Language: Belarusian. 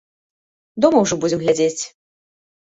Дома ўжо будзем глядзець.